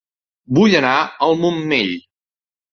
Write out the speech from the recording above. Vull anar a El Montmell